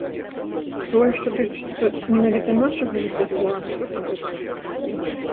Тое, што тычыцца менавіта нашага рэпертуару, то так.